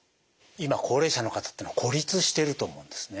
今高齢者の方ってのは孤立してると思うんですね。